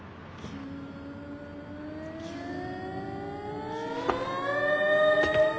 キューン。